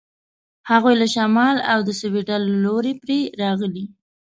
هغوی له شمال او د سیوایډل له لوري پر راغلي.